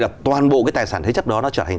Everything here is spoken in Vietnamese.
là toàn bộ cái tài sản thế chấp đó nó trở thành